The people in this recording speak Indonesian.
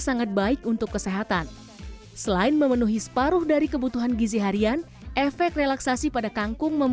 sangat baik untuk kesehatan selain memenuhi separuh dari kebutuhan gizi harian efek relaksasi pada kangkung